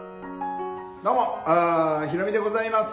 どうも、ヒロミでございます。